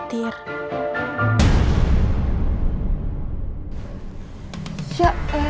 itu kenapa aku khawatir